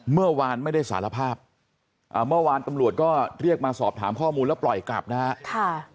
เมื่อวานไม่ได้สารภาพเมื่อวานตำรวจก็เรียกมาสอบถามข้อมูลแล้วปล่อยกลับนะฮะ